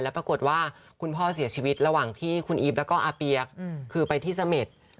ปรากฏว่าคุณพ่อเสียชีวิตระหว่างที่คุณอีฟแล้วก็อาเปี๊ยกคือไปที่เสม็ด